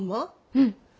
うん。